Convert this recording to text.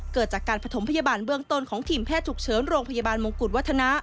เกิดจากการผสมพยาบาลเบื้องต้นของทีมแพทย์ฉุกเฉินโรงพยาบาลมงกุฎวัฒนะ